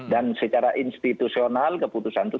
dan secara institusional keputusan itu